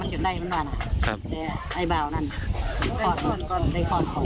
มันจะแตงมันจะได้ค่ะ